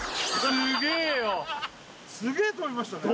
すげえ飛びましたね